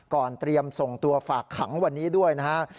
เตรียมส่งตัวฝากขังวันนี้ด้วยนะครับ